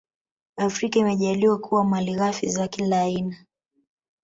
Afrika imejaaliwa kuwa malighafi za kila aina